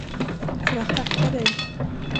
För att tacka dig.